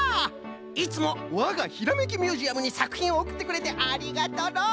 いつもわがひらめきミュージアムにさくひんをおくってくれてありがとうの！